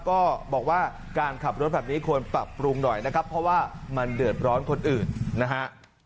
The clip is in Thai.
ก็บอกว่าการขับรถแบบนี้ควรปรับปรุงหน่อยนะครับเพราะว่ามันเดือดร้อนคนอื่นนะฮะ